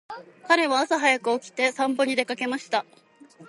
彼は朝早く起きて散歩に出かけました。